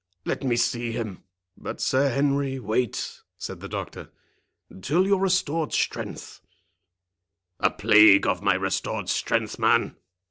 —Let me see him." "But, Sir Henry, wait," said the doctor, "till your restored strength"— "A plague of my restored strength, man!"